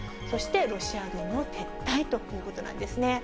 そしてロシア軍の撤退ということなんですね。